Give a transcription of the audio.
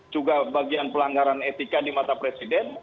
juga bagian pelanggaran etika di mata presiden